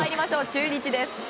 中日です。